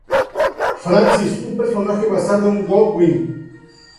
Francis, un personaje basado en Godwin.